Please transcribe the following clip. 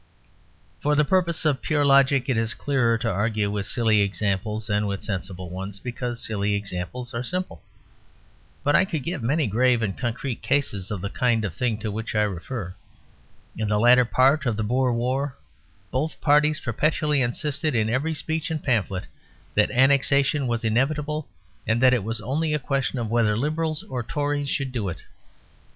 For the purposes of pure logic it is clearer to argue with silly examples than with sensible ones: because silly examples are simple. But I could give many grave and concrete cases of the kind of thing to which I refer. In the later part of the Boer War both parties perpetually insisted in every speech and pamphlet that annexation was inevitable and that it was only a question whether Liberals or Tories should do it.